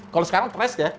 kalo sekarang press ya